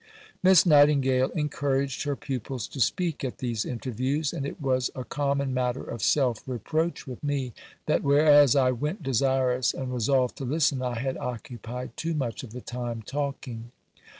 Miss Nightingale encouraged her pupils to speak at these interviews, and it was a common matter of self reproach with me that whereas I went desirous and resolved to listen, I had occupied too much of the time talking.